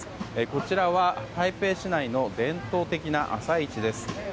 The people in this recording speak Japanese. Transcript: こちらは台北市内の伝統的な朝市です。